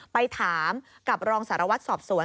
ไปถามกับรองสารวัตรสอบสวน